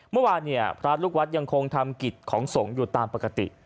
เมื่อวานเนี่ยพระลูกวัดยังคงทำกิจของสงฆ์อยู่ตามปกติ